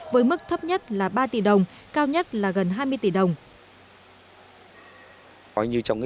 với mức thấp nhất là ba tỷ đồng cao nhất là gần hai mươi tỷ đồng